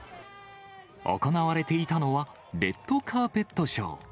行われていたのは、レッドカーペットショー。